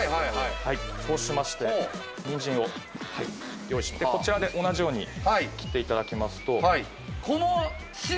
そうしまして、にんじんを用意して、こちらで同じように切っていただきますと。